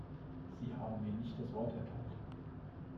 Sie haben mir nicht das Wort erteilt.